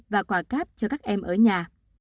và quà cáp cho các em ở nhà